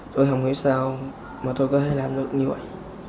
tôi không hiểu sao mà tôi có thể làm được như vậy